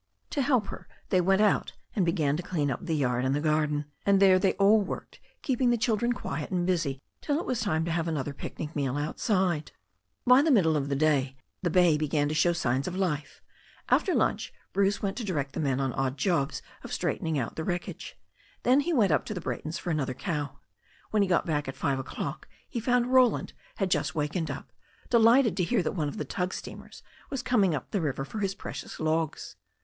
To help her they went out and began to clean up the yard and the garden, and there they all worked, keeping the children quiet and busy till it was time to have another picnic meal outside. By the middle of the day the bay began to show signs of life. After lunch Bruce went to direct the men on odd THE STORY OF A NEW ZEALAND RIVER 185 jobs of straightening out the wreckage. Then he went up to the Braytons for another cow. When he got back at five o'clock he found Roland had just waked up, delighted to hear that one of the tug steamers was coming up the river for his precious logs.